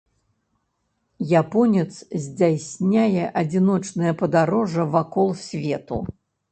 Японец здзяйсняе адзіночнае падарожжа вакол свету.